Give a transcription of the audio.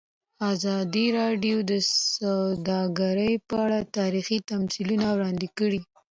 ازادي راډیو د سوداګري په اړه تاریخي تمثیلونه وړاندې کړي.